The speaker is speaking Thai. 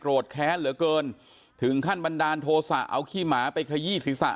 แค้นเหลือเกินถึงขั้นบันดาลโทษะเอาขี้หมาไปขยี้ศีรษะ